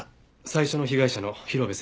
最初の被害者の広辺